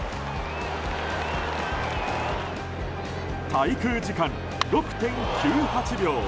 滞空時間６．９８秒。